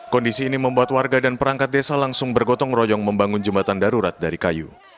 kondisi ini membuat warga dan perangkat desa langsung bergotong royong membangun jembatan darurat dari kayu